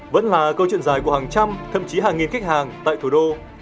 vẫn là câu chuyện dài của hàng trăm thậm chí hàng nghìn khách hàng tại thủ đô